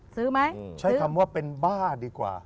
ซื้อไหมใช้คำว่าเป็นบ้าดีกว่า